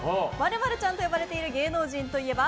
○○ちゃんと呼ばれている芸能人といえば？